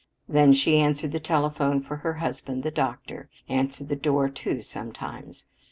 Then she answered the telephone for her husband, the doctor, answered the door, too, sometimes.